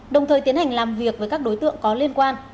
đồng thời tiến hành làm việc với các đối tượng có liên quan